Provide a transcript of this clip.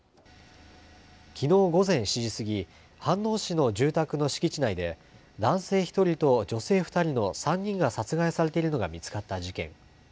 きのう午前７時過ぎ、飯能市の住宅の敷地内で男性１人と女性２人の３人が殺害されているのが見つかった事件。